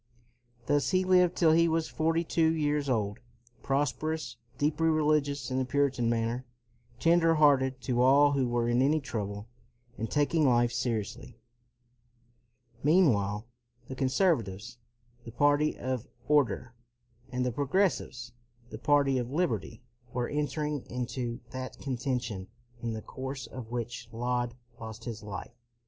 Thus he lived till he was forty two years old, prosperous, deeply religious in the Puritan manner, tender hearted to all who were in any trouble, and taking life seri ously. Meanwhile the conservatives, the party of order, and the progressives, the party of liberty, were entering into that conten tion in the course of which Laud lost his life.